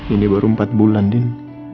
ini baru empat bulan